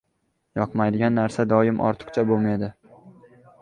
• Yoqmaydigan narsa doim ortiqcha.